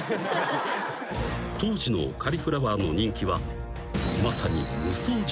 ［当時のカリフラワーの人気はまさに］